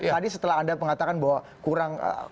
tadi setelah anda mengatakan bahwa kurang